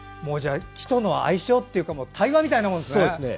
木との相性というか対話みたいなものですね。